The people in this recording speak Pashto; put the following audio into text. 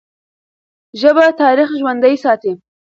ژبه تاریخ ژوندی ساتي.